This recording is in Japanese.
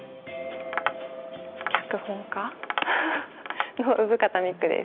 脚本家？の生方美久です。